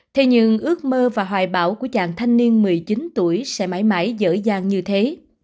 thế nhưng ước mơ và hoài bảo của chàng thanh niên một mươi chín tuổi sẽ mãi mãi dở dàng như thế